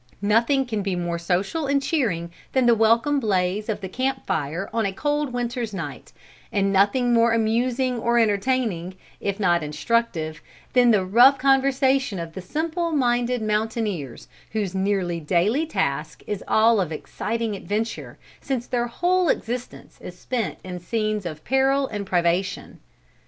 Nothing can be more social and cheering than the welcome blaze of the camp fire on a cold winter's night, and nothing more amusing or entertaining, if not instructive, than the rough conversation of the simple minded mountaineers, whose nearly daily task is all of exciting adventure, since their whole existence is spent in scenes of peril and privation.